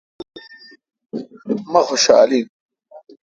مہ خوشال این۔